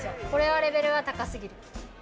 これはレベルが高すぎる。